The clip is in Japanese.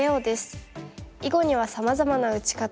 囲碁にはさまざまな打ち方があります。